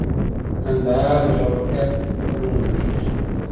کندهار د زړورتیا سمبول ګڼل کېږي.